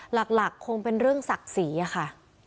หลักคงเป็นเรื่องศักดิ์ศรีค่ะ